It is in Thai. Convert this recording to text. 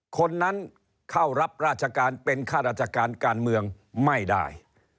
คนนั้นเข้ารับราชการเป็นข้าราชการการเมืองไม่ได้